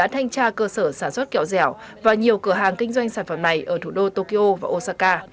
thanh tra cơ sở sản xuất kẹo dẻo và nhiều cửa hàng kinh doanh sản phẩm này ở thủ đô tokyo và osaka